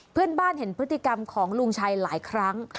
เพื่อนบ้านเห็นพฤติกรรมของลุงชัยหลายครั้ง